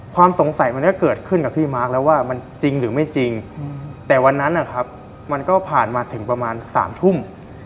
ความสงสัยมันก็เกิดขึ้นกับพี่มาร์คแล้วว่ามันจริงหรือไม่จริงแต่วันนั้นนะครับมันก็ผ่านมาถึงประมาณ๓ทุ่ม